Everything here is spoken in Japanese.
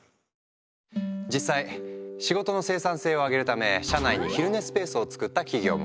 実際仕事の生産性を上げるため社内に昼寝スペースを作った企業も。